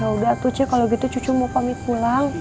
yaudah tuh ce kalo gitu cucu mau pamit pulang